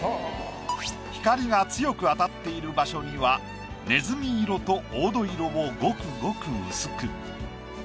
光が強く当たっている場所にはねずみ色と黄土色を極々薄く。